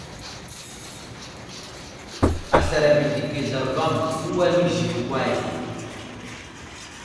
Aslər abədeki zlavaŋ, uway məziziki way ?